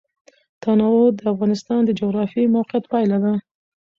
تنوع د افغانستان د جغرافیایي موقیعت پایله ده.